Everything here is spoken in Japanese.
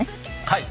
はい。